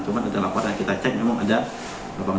cuman adalah aparat kita cek memang ada lapangan